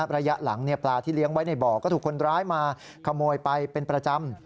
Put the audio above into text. ระยะหลังปลาที่เลี้ยงไว้ในบ่อก็ถูกคนร้ายมาขโมยไปเป็นประจำ